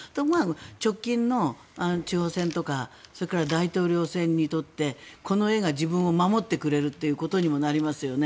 直近の地方選とか大統領選にとってこの絵が自分を守ってくれることにもなりますよね。